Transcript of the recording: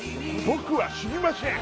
僕は死にません！